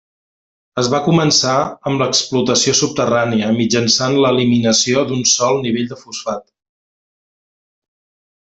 Es va començar amb l'explotació subterrània mitjançant l'eliminació d'un sol nivell de fosfat.